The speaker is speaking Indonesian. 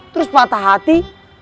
terus patah hati